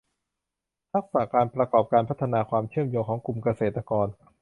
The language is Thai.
ทักษะการประกอบการและพัฒนาความเชื่อมโยงของกลุ่มเกษตรกร